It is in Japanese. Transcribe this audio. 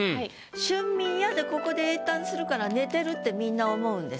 「春眠や」でここで詠嘆するから寝てるってみんな思うんです。